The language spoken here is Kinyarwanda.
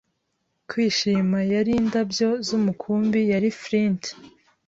kwishima. “Yari indabyo z'umukumbi, yari Flint!”